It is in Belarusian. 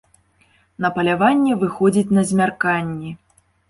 На паляванне выходзіць на змярканні.